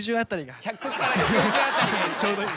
ちょうどいい。